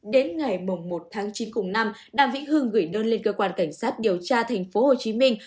đến ngày một tháng chín cùng năm đàm vĩ hương gửi đơn lên cơ quan cảnh sát điều tra thành phố hồ chí minh